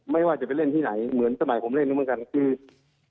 ไม่ว่าจะไปเล่นที่ไหนเหมือนสมัยผมเล่นรู้เหมือนกันคือ